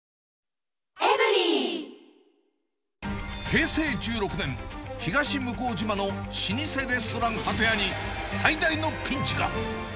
平成１６年、東向島の老舗レストラン鳩家に、最大のピンチが。